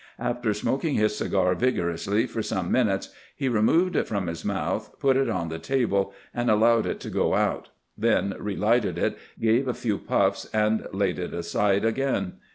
After smoking his cigar vigorously for some minutes, he removed it from his mouth, put it on the table, and allowed it to go out; then relighted it, gave a few puffs, and laid it aside again.